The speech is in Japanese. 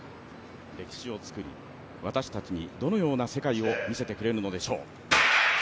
歴史を作り、私たちにどのような世界を見せてくれるのでしょう。